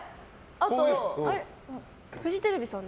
あと、フジテレビさん。